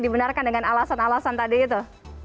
dibenarkan dengan alasan alasan tadi itu